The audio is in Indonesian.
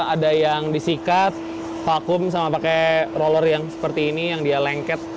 ada yang disikat vakum sama pakai roller yang seperti ini yang dia lengket